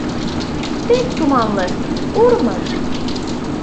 Тек туманле, урмыж…